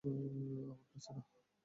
- আমার কাছে না।